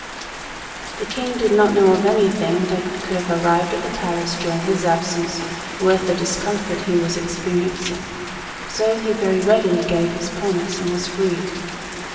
The King did not know of anything that could have arrived at the palace during his absence worth the discomfort he was experiencing; so he very readily gave his promise, and was freed.